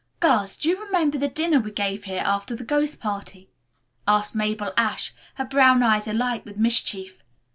"Girls, do you remember the dinner we gave here after the ghost party?" asked Mabel Ashe, her brown eyes alight with mischief.